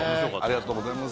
ありがとうございます